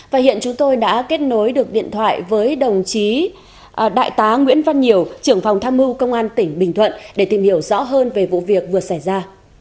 và hiện chúng tôi đã kết nối được điện thoại với đồng chí đại tá nguyễn văn nhiều trưởng phòng tham mưu công an tỉnh bình thuận để tìm hiểu rõ hơn về vụ việc vừa xảy ra